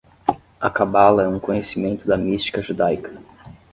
A Cabala é um conhecimento da mística judaica